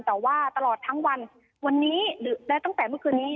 แต่ว่าตลอดทั้งวันวันนี้หรือและตั้งแต่เมื่อคืนนี้